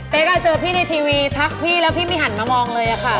เจอพี่ในทีวีทักพี่แล้วพี่ไม่หันมามองเลยค่ะ